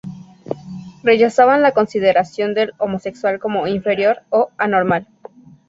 Rechazaban la consideración del homosexual como inferior o anormal.